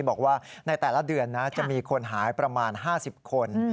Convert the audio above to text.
บอกว่าในแต่ละเดือนนะจะมีคนหายประมาณ๕๐คน